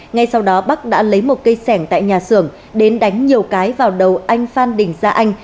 ngay sau đó bắc đã lấy một cây sẻng tại nhà xưởng đến đánh nhiều cái vào đầu anh phan đình gia anh